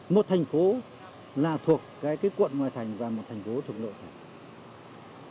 một thành phố là thuộc cái quận ngoài thành và một thành phố thuộc nội thành